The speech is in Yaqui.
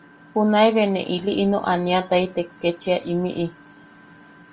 Junae be ne ili ino aniataitek kechia imiʼi.